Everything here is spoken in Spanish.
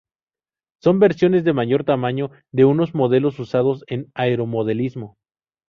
Son versiones de mayor tamaño de unos modelos usados en aeromodelismo.